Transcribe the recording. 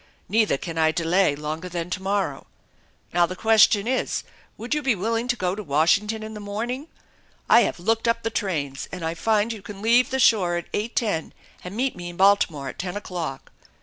Neither can I delay longer than to morrow. Now the question is, would you be willing to go to Washington in the morning? I have looked up the trains and I find you can leave the shore at 8.10 and meet me in Baltimore at ten o'clock.